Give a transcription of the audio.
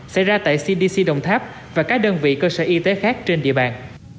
xảy ra tại cdc đồng tháp và các đơn vị cơ sở y tế khác trên địa bàn